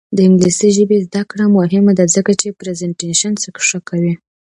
د انګلیسي ژبې زده کړه مهمه ده ځکه چې پریزنټیشن ښه کوي.